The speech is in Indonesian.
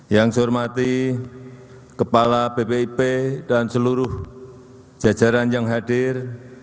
yang saya hormati kepala bpip dan seluruh jajaran yang hadir